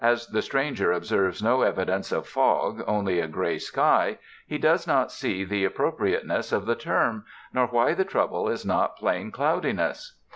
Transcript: As the stranger observes no evidence of fog, only a gray sky, he does not see the appropriateness of the term, nor why the trouble is not plain cloudi ness.